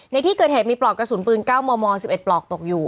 ในที่เกิดเหตุมีปลอกกระสุนปืน๙มม๑๑ปลอกตกอยู่